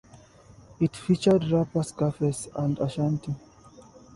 It featured rapper Scarface and Ashanti.